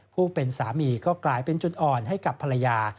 ผู้เป็นสามีก็กลายเป็นจุดอ่อนให้กับภรรยา